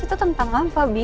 bahas itu tentang apa bi